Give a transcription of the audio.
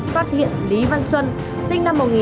phát hiện lý văn xuân